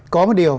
có một điều